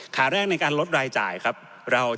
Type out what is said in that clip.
ขาแรกในการลดรายจ่ายครับ